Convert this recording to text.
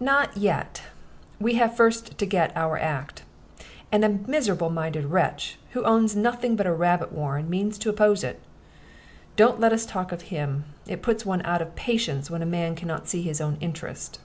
"Not yet. We have first to get our Act; and a miserable minded wretch, who owns nothing but a rabbit warren, means to oppose it. Don't let us talk of him. It puts one out of patience when a man can not see his own interest.